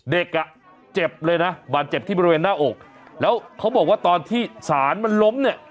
เด็กอ่ะเจ็บเลยนะบาดเจ็บที่บริเวณหน้าอกแล้วเขาบอกว่าตอนที่สารมันล้มเนี่ย